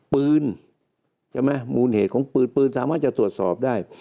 ปืนใช่ไหมมูลเหตุของปืนปืนสามารถจะตรวจสอบได้